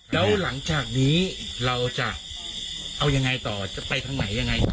แล้วหลังจากนี้เราจะเอายังไงต่อจะไปทางไหนยังไง